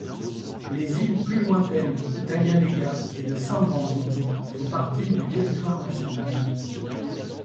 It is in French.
Les îles plus lointaines d'Agaléga et de Saint-Brandon font partie du territoire national.